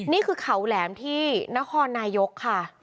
นี่คือเขาแหลมที่นครนายกค่ะ